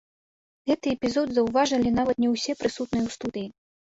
Гэты эпізод заўважылі нават не ўсе прысутныя ў студыі.